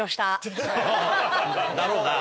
だろうな！